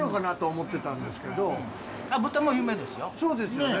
そうですよね。